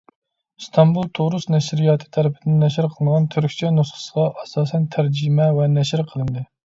ئىستانبۇل «تۇرۇس نەشرىياتى» تەرىپىدىن نەشر قىلىنغان تۈركچە نۇسخىسىغا ئاساسەن تەرجىمە ۋە نەشر قىلىندى.